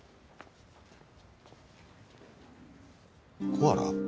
コアラ？